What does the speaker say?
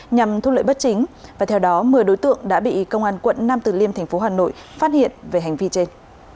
nhằm thu lợi bất chính và theo đó một mươi đối tượng đã bị công an quận nam từ liêm thành phố hà nội phát hiện về hành vi trên